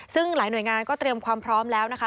ซึ่งหลายหน่วยงานก็เตรียมความพร้อมแล้วนะคะ